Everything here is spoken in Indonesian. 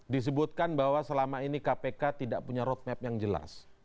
disebutkan bahwa selama ini kpk tidak punya roadmap yang jelas